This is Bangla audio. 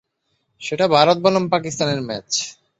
সেটা ভারত বনাম পাকিস্তানের ম্যাচ।